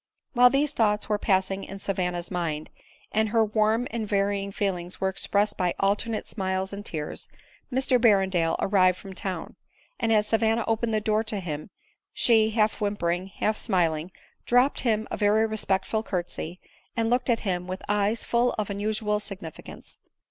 While these thoughts were passing in Savanna's mind, and her warm and varying feelings were expressed by alternate smiles and tears, Mr Berrendale arrived from town ; and as Savanna opened the door to him, she, half whimpering, half smiling, dropped him a very respectful curtsey, and looked at him with eyes full of unusual sig nificance.